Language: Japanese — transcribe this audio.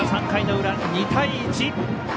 ３回の裏、２対１！